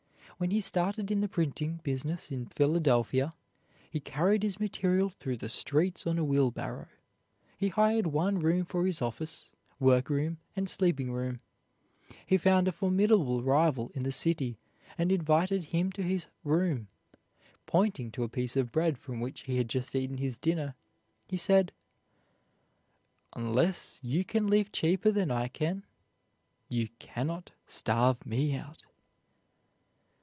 When he started in the printing business in Philadelphia, he carried his material through the streets on a wheelbarrow. He hired one room for his office, work room, and sleeping room. He found a formidable rival in the city and invited him to his room. Pointing to a piece of bread from which he had just eaten his dinner, he said: "Unless you can live cheaper than I can you can not starve me out."